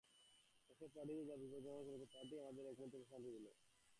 এসব পার্টিতে যাওয়া বিপদজনক ছিল, কিন্তু এই পার্টিই আমাদেরকে এক মুহূর্তের প্রশান্তি দিত।